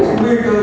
của những người